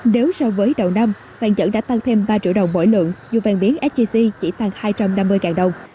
nếu so với đầu năm vàng nhẫn đã tăng thêm ba triệu đồng mỗi lượng dù vàng biến sgc chỉ tăng hai trăm năm mươi đồng